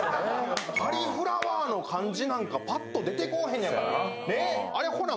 カリフラワーの漢字なんかパッと出て来へんのやから。